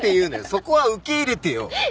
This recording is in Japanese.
そこは受け入れてよ！